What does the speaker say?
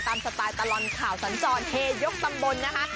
ตามสไตล์ตลอดข่าวสัญจรเฮยกสมบนนะคะ